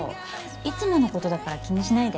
いつものことだから気にしないで。